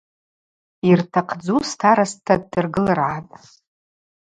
Йыртахъдзу старостта ддыргылыргӏатӏ.